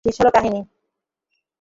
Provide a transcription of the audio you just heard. শেষ হলো কাহিনী।